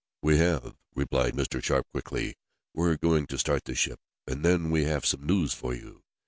"We have," replied Mr. Sharp quickly. "We're going to start the ship, and then we have some news for you.